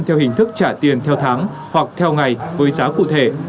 theo hình thức trả tiền theo tháng hoặc theo ngày với giá cụ thể